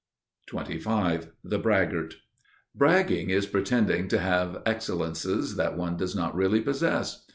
XXV The Braggart (Ἀλαζονεία) Bragging is pretending to have excellences that one does not really possess.